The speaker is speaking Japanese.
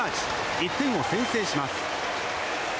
１点を先制します。